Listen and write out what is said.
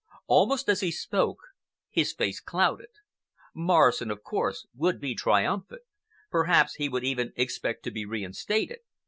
Almost as he spoke his face clouded. Morrison, of course, would be triumphant. Perhaps he would even expect to be reinstated.